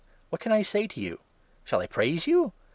What can I say to you ? Shall I praise you